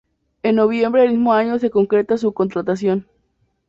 En noviembre del mismo año se concreta su contratación.